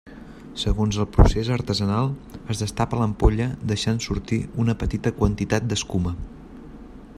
Segons el procés artesanal es destapa l'ampolla deixant sortir una petita quantitat d'escuma.